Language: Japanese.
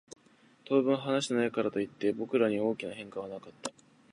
当分話していないからといって、僕らに大きな変化はなかった。